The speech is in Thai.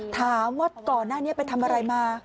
ถามว่าก่อนหน้านี้ไปทำอะไรมา